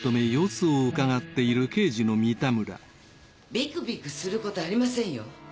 ビクビクすることありませんよ。